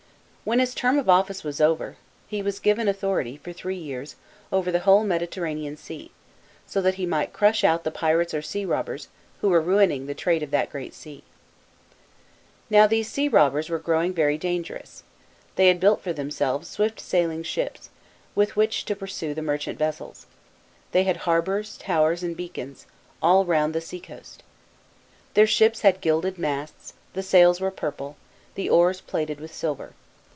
When his term of office was over he wa6 giver} authority, for three years, over the whole Mediter ranean Sea, so that he might crush out the pirates or sea robbers, who were ruining the trade of that great sea. Now these sea robbers were growing very dan gerous. They had built for themselves swift sailing ships, with which to pursue the merchant vessels ; they had harbours, towers, and beacons, all round the sea coast. Their ships had gilded masts, the sails were purple, the oars plated with silver.